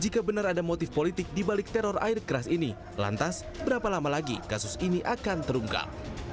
jika benar ada motif politik dibalik teror air keras ini lantas berapa lama lagi kasus ini akan terungkap